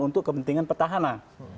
untuk kepentingan petahana